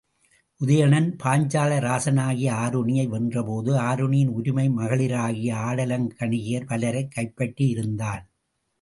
உதயணன் பாஞ்சால ராசனாகிய ஆருணியை வென்ற போது, ஆருணியின் உரிமை மகளிராகிய ஆடலங் கணிகையர் பலரைக் கைப்பற்றியிருந்தான்.